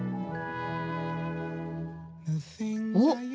おっ！